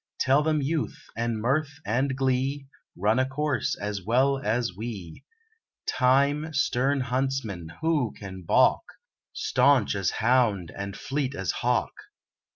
Tell them youth, and mirth, and glee, Run a course as well as we; Time, stern huntsman! who can baulk, Stanch as hound, and fleet as hawk?